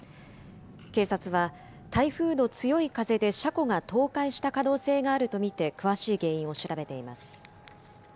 警察は、台風の強い風で車庫が倒壊した可能性があると見て詳しい原因を調べています。